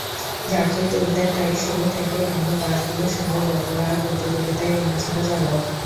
যাত্রী তুলতে তাই শুরু থেকেই অন্য বাসগুলোর সঙ্গে বেপরোয়া প্রতিযোগিতায় নেমেছিল চালক।